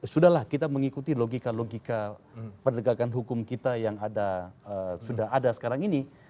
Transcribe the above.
sudahlah kita mengikuti logika logika penegakan hukum kita yang sudah ada sekarang ini